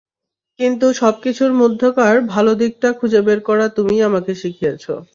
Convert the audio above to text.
কিন্ত সব কিছুর মধ্যকার ভালো দিকটা খুঁজে বের করা তুমিই আমাকে শিখিয়েছ।